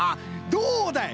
どうだい！